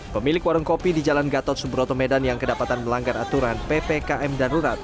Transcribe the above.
pemilik warung kopi di jalan gatot subroto medan yang kedapatan melanggar aturan ppkm darurat